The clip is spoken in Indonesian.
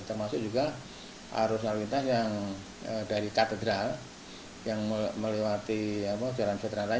termasuk juga harus lintas yang dari katedral yang melewati jalan seteran raya